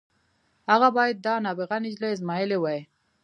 هغه بايد دا نابغه نجلۍ ازمايلې وای.